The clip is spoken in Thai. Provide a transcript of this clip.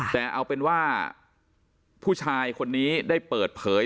แต่เอาเป็นว่าผู้ชายคนนี้ได้เปิดเผย